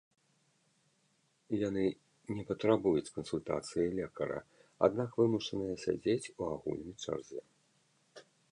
Яны не патрабуюць кансультацыі лекара, аднак вымушаныя сядзець у агульнай чарзе.